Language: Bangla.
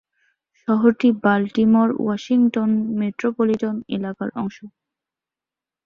শহরটি বাল্টিমোর-ওয়াশিংটন মেট্রোপলিটন এলাকার অংশ।